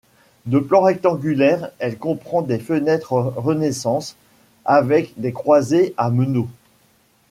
De plan rectangulaire, elle comprend des fenêtres Renaissance, avec des croisées à meneaux.